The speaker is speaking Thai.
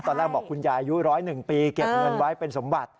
ตอนแรกบอกคุณยายอายุ๑๐๑ปีเก็บเงินไว้เป็นสมบัติ